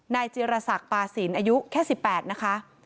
นายเจรสักปาศิลป์อายุแค่๑๘นะคะ